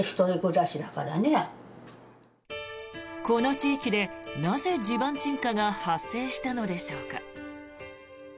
この地域でなぜ、地盤沈下が発生したのでしょうか。